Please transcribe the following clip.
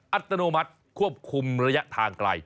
อัตโนมัติควบคุมระยะทางไกล